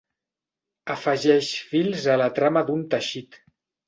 Afegeix fils a la trama d'un teixit.